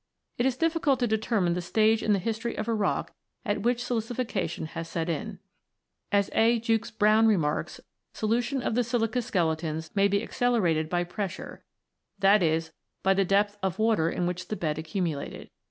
It is difficult to determine the stage in the history of a rock at which silicification has set in. As A. Jukes Browne (24) remarks, solution of the silica skeletons may be accelerated by pressure, i.e. by the depth of water in which the 6ed accumulated.